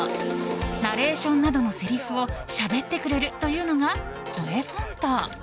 ナレーションなどのせりふをしゃべってくれるというのがＣｏｅＦｏｎｔ。